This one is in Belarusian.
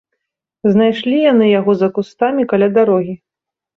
Знайшлі яны яго за кустамі каля дарогі.